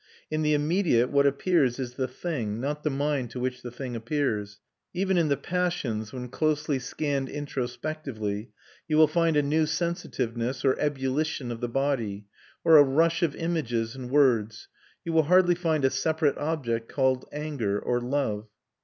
In the immediate what appears is the thing, not the mind to which the thing appears. Even in the passions, when closely scanned introspectively, you will find a new sensitiveness or ebullition of the body, or a rush of images and words; you will hardly find a separate object called anger or love.